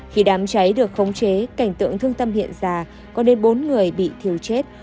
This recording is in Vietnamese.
khi đám cháy được khống chế cảnh tượng thương tâm hiện ra có đến bốn người bị thiếu chết